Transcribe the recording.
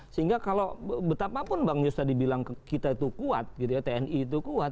sehingga kalau betapapun bang giyos tadi bilang kita itu kuat tni itu kuat